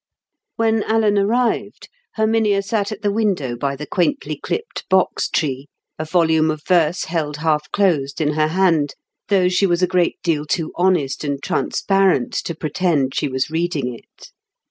When Alan arrived, Herminia sat at the window by the quaintly clipped box tree, a volume of verse held half closed in her hand, though she was a great deal too honest and transparent to pretend she was reading it.